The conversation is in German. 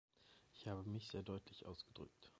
Ich habe mich sehr deutlich ausgedrückt.